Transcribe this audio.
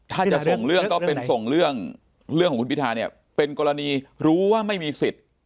ถ้าจะส่งเรื่องก็เป็นส่งเรื่องของคุณพิทาเนี่ยเป็นกรณีรู้ว่าไม่มีสิทธิ์